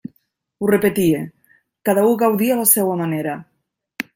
Ho repetia: cada u gaudia a la seua manera.